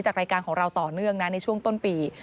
รายการของเราต่อเนื่องนะในช่วงต้นปี